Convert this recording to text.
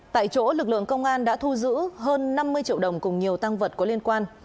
tại chỗ lực lượng công an đã thu giữ hơn năm mươi triệu đồng cùng nhiều tăng vật có liên quan